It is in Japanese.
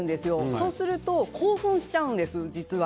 そうすると実は興奮しちゃうんです。